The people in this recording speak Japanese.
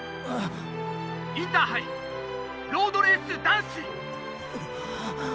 インターハイロードレース男子」。